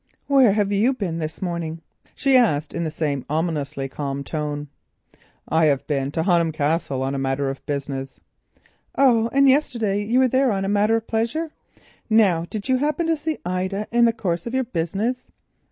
"Where have you been this morning?" she asked in the same ominously calm voice. "I have been to Honham Castle on a matter of business." "Oh, and yesterday you were there on a matter of pleasure. Now did you happen to see Ida in the course of your business?"